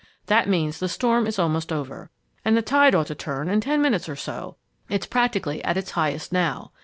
That means the storm is almost over. And the tide ought to turn in ten minutes or so. It's practically at its highest now.